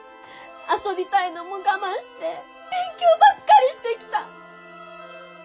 遊びたいのも我慢して勉強ばっかりしてきた。